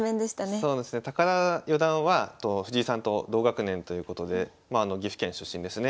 そうですね高田四段は藤井さんと同学年ということで岐阜県出身ですね。